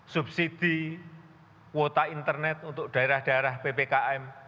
subsidi kuota internet untuk daerah daerah ppkm